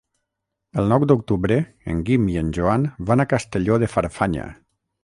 El nou d'octubre en Guim i en Joan van a Castelló de Farfanya.